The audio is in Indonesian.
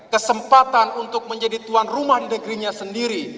kesempatan untuk menjadi tuan rumah negerinya sendiri